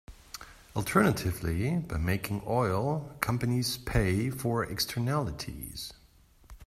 Alternatively, by making oil companies pay for externalities.